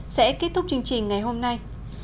sẽ kết thúc chương trình ngày hôm nay